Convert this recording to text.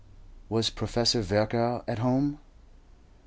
Was Professor Virchow at home?